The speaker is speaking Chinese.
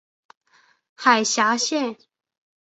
海峡线。